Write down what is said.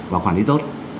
và quản lý tốt